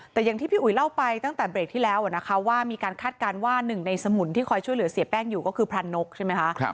แต่อย่างที่พี่อุ๋ยเล่าไปตั้งแต่เบรกที่แล้วนะคะว่ามีการคาดการณ์ว่าหนึ่งในสมุนที่คอยช่วยเหลือเสียแป้งอยู่ก็คือพระนกใช่ไหมคะ